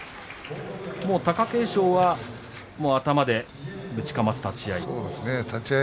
貴景勝は頭でぶちかます立ち合い。